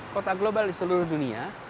kota global di seluruh dunia